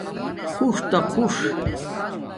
خُݽ تا خُݽ